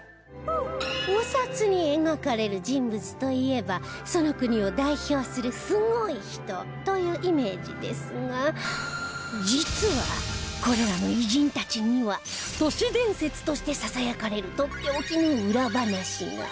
お札に描かれる人物といえばその国を代表するすごい人というイメージですが実はこれらの偉人たちには都市伝説としてささやかれるとっておきの裏話が